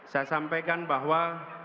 saya sampaikan bahwa